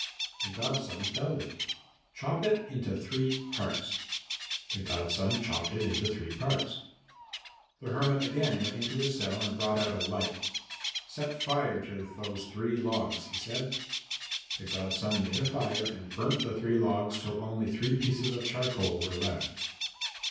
The godson felled it. "Chop it into three parts." The godson chopped it into three parts. The hermit again went into his cell and brought out a light. "Set fire to those three logs," he said. The godson made a fire and burnt the three logs till only three pieces of charcoal were left.